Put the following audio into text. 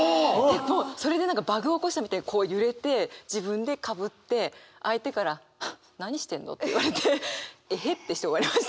もうそれで何かバグを起こしたみたいにこう揺れて自分でかぶって相手から「ハッ何してんの？」って言われて「えへっ」ってして終わりました。